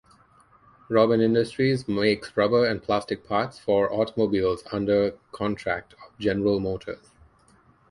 Robin Industries makes rubber and plastic parts for automobiles under contract of General Motors.